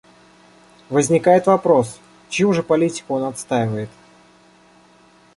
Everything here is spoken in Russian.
Возникает вопрос: чью же политику он отстаивает?